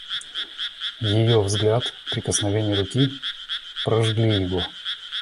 Ее взгляд, прикосновение руки прожгли его.